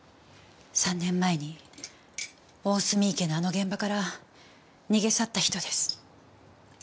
３年前に大澄池のあの現場から逃げ去った人です。